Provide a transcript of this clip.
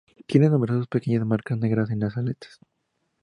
Tienen numerosas pequeñas marcas negras en las aletas.